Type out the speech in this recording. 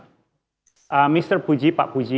pak puji pak puji